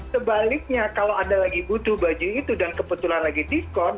sebaliknya kalau anda lagi butuh baju itu dan kebetulan lagi diskon